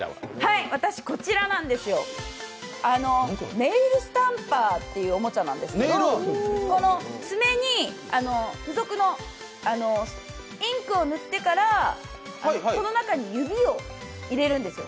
ネイルスタンパーっていうおもちゃなんですけど爪に付属のインクを塗ってからこの中に指を入れるんですよ。